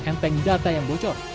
enteng data yang bocor